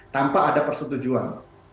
tanpa ada persetujuan